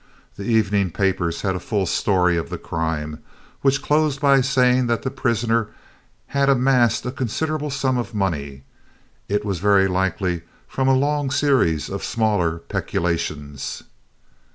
The evening papers had a full story of the crime, which closed by saying that the prisoner had amassed a considerable sum of money, it was very likely from a long series of smaller peculations.